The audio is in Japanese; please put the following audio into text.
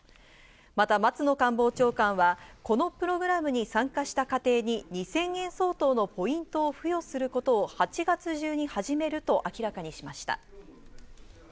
また松野官房長官はこのプログラムに参加した家庭に２０００円相当のポイントを付与することを８月中に始めると明らかにしました。